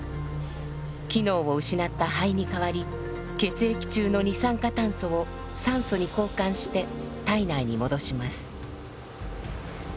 機能を失った肺に代わり血液中の二酸化炭素を酸素に交換して体内に戻します。